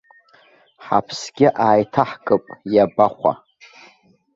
Ҳаԥсгьы ааиҭаҳкып, иабахәа!